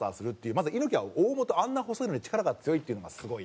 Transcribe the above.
まず猪木は大本あんな細いのに力が強いっていうのがすごい。